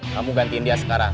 kamu gantiin dia sekarang